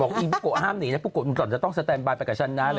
บอกอีปุโกะห้ามหนีนะปุโกะมึงต้องสแตนบายไปกับฉันน่ะ